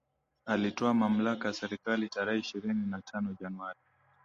alitwaa mamlaka ya serikali tarehe ishirini na tano Januari